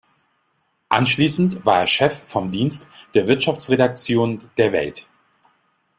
Anschließend war er Chef vom Dienst der Wirtschaftsredaktion der "Welt".